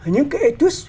những cái ethics